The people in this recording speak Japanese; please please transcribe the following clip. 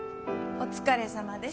お疲れさまです。